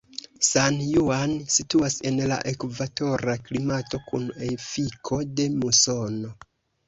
San Juan situas en la ekvatora klimato kun efiko de musono.